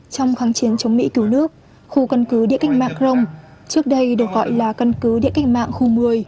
trong kháng chiến chống mỹ cứu nước khu căn cứ địa cách mạng crong trước đây được gọi là căn cứ địa cách mạng khu một mươi